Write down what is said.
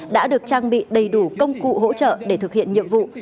đã được trang bị đầy đủ công cụ hỗ trợ để thực hiện nhiệm vụ